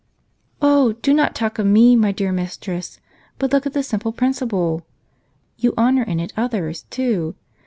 " Oh, do not talk of me, my dear mistress ; but look at the simple principle ; you honor it in others, too.